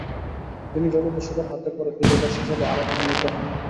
তিনি জলদস্যুদের হাতে পরে ক্রীতদাস হিসাবে আরাকানে নীত হন।